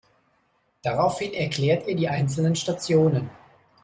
Daraufhin erklärt ihr die einzelnen Stationen.